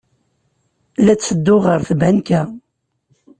La ttedduɣ ɣer tbanka.